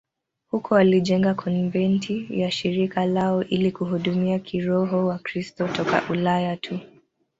Huko walijenga konventi ya shirika lao ili kuhudumia kiroho Wakristo toka Ulaya tu.